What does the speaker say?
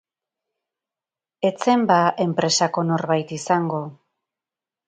Ez zen ba enpresako norbait izango?